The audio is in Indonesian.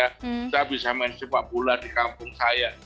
kita bisa main sepak bola di kampung saya